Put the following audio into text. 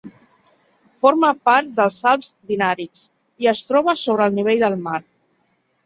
Forma part dels Alps Dinàrics i es troba sobre el nivell del mar.